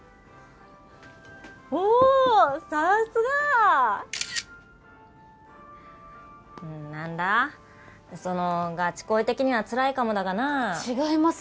おぉさすがなんだそのガチ恋的にはつらいかもだがな違います